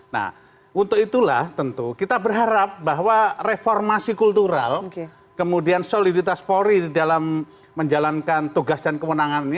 nah untuk itulah tentu kita berharap bahwa reformasi kultural kemudian soliditas polri di dalam menjalankan tugas dan kewenangan ini